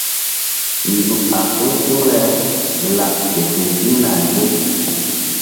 Nzuk a suŋ suŋ le laɓ ke fe ziŋ na ye.